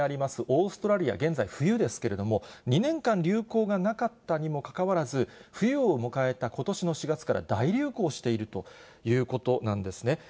オーストラリア、現在、冬ですけれども、２年間流行がなかったにもかかわらず、冬を迎えたことしの４月から大流行しているということなんですね。